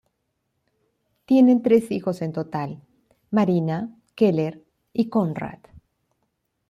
Tienen tres hijos en total: Marina, Keller y Konrad.